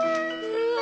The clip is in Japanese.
うわ！